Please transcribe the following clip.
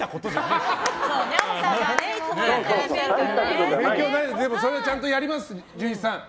でも、それはちゃんとやります純一さん。